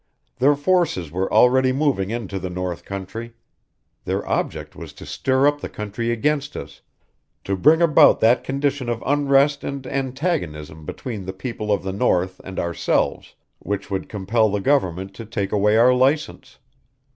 Their forces were already moving into the north country. Their object was to stir up the country against us, to bring about that condition of unrest and antagonism between the people of the north and ourselves which would compel the government to take away our license.